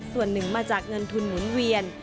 ส่วนหนึ่งมาจากเงินทุนหมุนเวียน